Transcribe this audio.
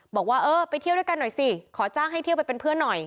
บอกว่าเออไปเที่ยวด้วยกันหน่อยสิขอจ้างให้เที่ยวไปเป็นเพื่อนหน่อย